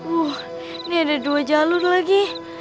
uh ini ada dua jalur lagi